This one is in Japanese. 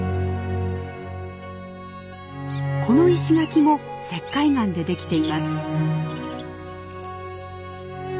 この石垣も石灰岩でできています。